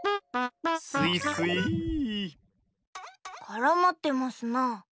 からまってますな。